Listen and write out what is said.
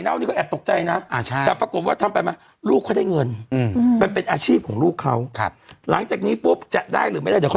อ๋อนี่คือลุ่นเป็นหนังสือ